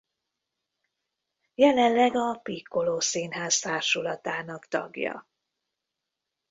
Jelenleg a Piccolo Színház társulatának tagja.